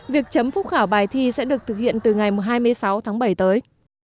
việc chấm phúc khảo bài thi sẽ được thực hiện từ ngày hai mươi sáu tháng bảy tới